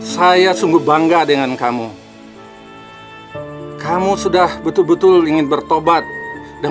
saya sungguh bangga dengan kamu kamu sudah betul betul ingin bertobat dan